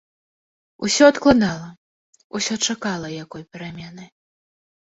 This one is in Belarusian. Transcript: Усё адкладала, усё чакала якой перамены.